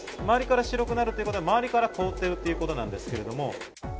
周りから白くなるということは、周りから凍ってるっていうことなんですけれども。